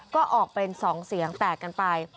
ก็ออกเป็น๒เสียงแตกกันไป